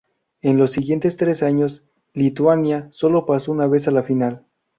En los siguientes tres años, Lituania sólo pasó una vez a la final.